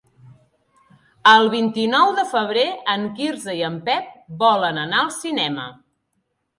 El vint-i-nou de febrer en Quirze i en Pep volen anar al cinema.